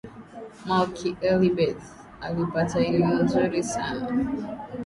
malki elibeth alipata elimu nzuri sana